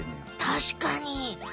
たしかに！